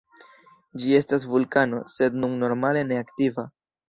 Ĝi estas vulkano, sed nun normale ne aktiva.